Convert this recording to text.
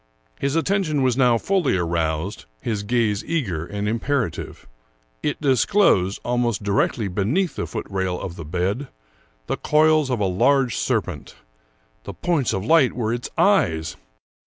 His attention was now fully aroused, his gaze eager and im perative. It disclosed, almost directly beneath the foot rail of the bed, the coils of a large serpent — the points of light were its eyes